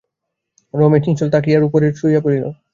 রমেশ নিশ্চল হইয়া তাকিয়ার উপরে শুইয়া পড়িল।